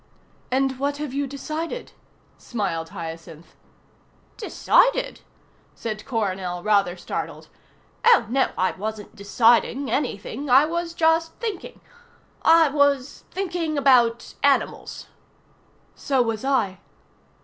"And what have you decided?" smiled Hyacinth. "Decided?" said Coronel, rather startled. "Oh, no, I wasn't deciding anything, I was just thinking. I was thinking about animals." "So was I."